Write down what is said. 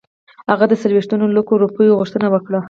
هغه د څلوېښتو لکو روپیو غوښتنه وکړه.